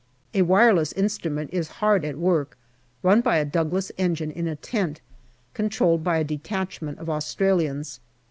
A wireless instrument is hard at work, run by a Douglas engine in a tent, controlled by a detachment of Australians.